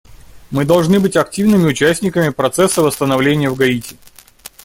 Мы должны быть активными участниками процесса восстановления в Гаити.